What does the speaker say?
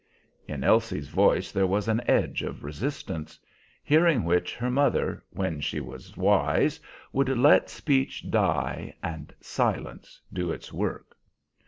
In Elsie's voice there was an edge of resistance, hearing which her mother, when she was wise, would let speech die and silence do its work.